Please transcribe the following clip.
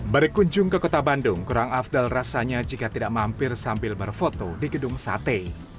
berkunjung ke kota bandung kurang afdal rasanya jika tidak mampir sambil berfoto di gedung sate